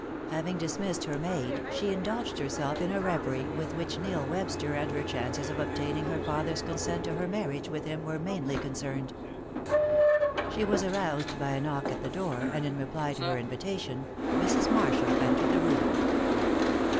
Having dismissed her maid, she indulged herself in a reverie with which Neil Webster and her chances of obtaining her father's consent to her marriage with him were mainly concerned. She was aroused by a knock at the door, and in reply to her invitation Mrs. Marshall entered the room.